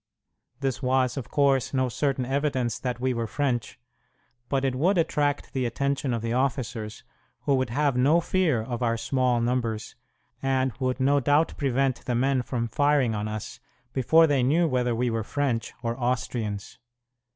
This was, of course, no certain evidence that we were French, but it would attract the attention of the officers, who would have no fear of our small numbers, and would no doubt prevent the men from firing on us before they knew whether we were French or Austrians.